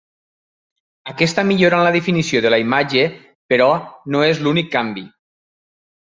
Aquesta millora en la definició de la imatge, però, no és l'únic canvi.